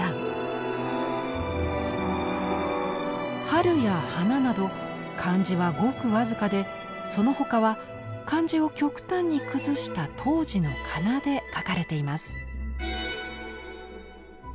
春や花など漢字はごく僅かでその他は漢字を極端に崩した当時の仮名で書かれています。